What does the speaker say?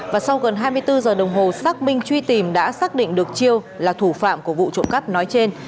và sau gần hai mươi bốn giờ đồng hồ xác minh truy tìm đã xác định được chiêu là thủ phạm của vụ trộm cắp nói trên